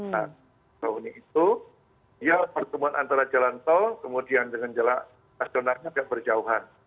nah pekauhuni itu ya pertemuan antara jalan tol kemudian dengan jalan asjonarnya agak berjauhan